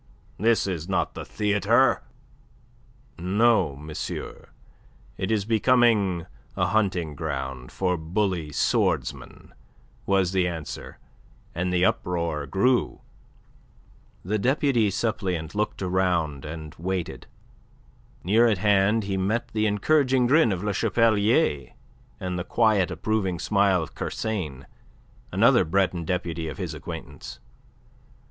This is not the theatre!" "No, monsieur, it is becoming a hunting ground for bully swordsmen," was the answer, and the uproar grew. The deputy suppleant looked round and waited. Near at hand he met the encouraging grin of Le Chapelier, and the quiet, approving smile of Kersain, another Breton deputy of his acquaintance.